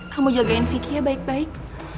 kamu jagain vicky ya baik baik